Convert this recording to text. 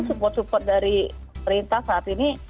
support support dari perintah saat ini